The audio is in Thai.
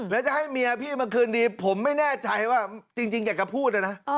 แล้วจะให้เมียพี่มาคืนดีผมไม่แน่ใจว่าจริงอยากจะพูดนะนะ